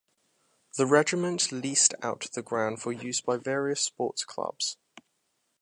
The regiment leased out the ground for use by various sports clubs.